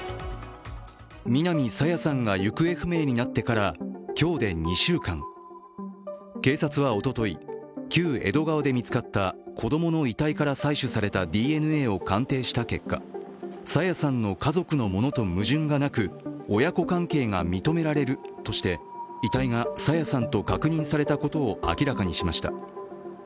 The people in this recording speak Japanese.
南朝芽さんが行方不明になってから今日で２週間警察はおととい、旧江戸川で見つかった子供の遺体から見つかった採取されたＤＮＡを鑑定した結果朝芽さんの家族のものと矛盾がなく親子関係が認められるとして遺体が朝芽さんと確認されたことを明らかにしました。